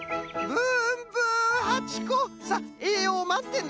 「ぶんぶん」。